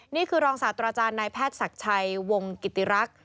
นี่คือรองศาสตราจารย์นายแพทย์ศักดิ์ชัยวงกิติรักษ์